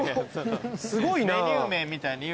メニュー名みたいに言うなよ。